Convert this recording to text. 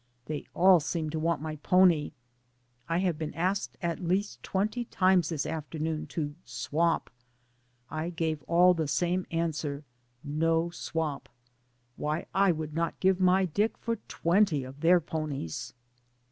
They all seem to want my pony. I have been asked at least twenty times this afternoon to "Swap." I gave all the same answer, "No swap." Why, I would not give my Dick for twenty of their ponies.